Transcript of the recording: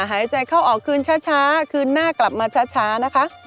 หายใจเข้าออกคืนช้าคืนหน้ากลับมาช้านะคะ